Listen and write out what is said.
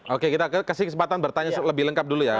oke kita kasih kesempatan bertanya lebih lengkap dulu ya